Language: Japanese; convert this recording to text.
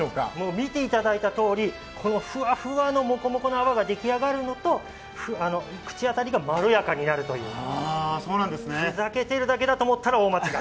見ていただいたとおりこのふわふわのもこもこの泡が出来上がるのと口当たりがまろやかになるというふざけてるだけだと思ったら大間違い。